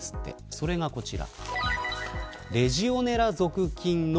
それがこちら。